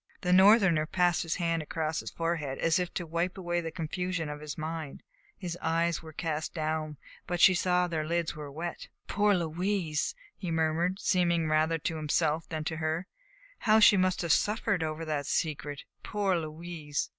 The Northerner passed his hand across his forehead as if to wipe away the confusion of his mind. His eyes were cast down, but she saw that their lids were wet. "Poor Louise!" he murmured, seemingly rather to himself than to her; "how she must have suffered over that secret. Poor Louise!"